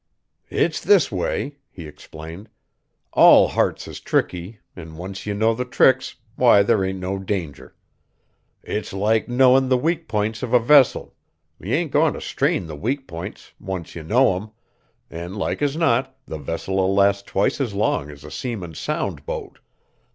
"It's this way," he explained, "all hearts is tricky, an' once ye know the tricks, why, there ain't no danger. It's like knowin' the weak p'ints of a vessel, ye ain't goin' t' strain the weak p'ints, once ye know 'em, an' like as not the vessel'll last twice as long as a seemin' sound boat.